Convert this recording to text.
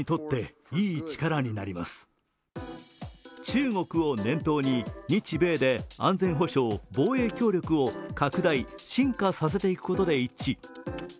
中国を念頭に日米で安全保障・防衛協力を拡大・進化させていくことで一致。